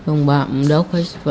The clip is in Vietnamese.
ông bà ông đốt phở em nghỉ học